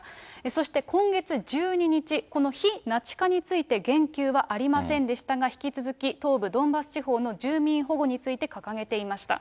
そして、今月１２日、この非ナチ化について言及はありませんでしたが、引き続き、東部ドンバス地方の住民保護について掲げていました。